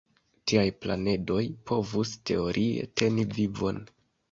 Tiaj planedoj povus, teorie, teni vivon.